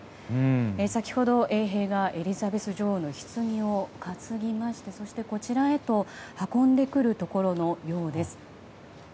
先ほど、衛兵がエリザベス女王のひつぎを担ぎましてそして、こちらへと運んでくるところのようです。